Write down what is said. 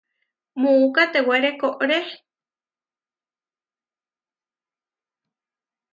Muú katewére koʼré.